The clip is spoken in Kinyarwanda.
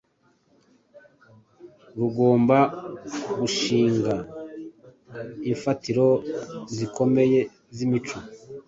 rugomba gushinga imfatiro zikomeye z’imico.